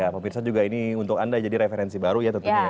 pemirsa juga ini untuk anda jadi referensi baru ya tentunya ya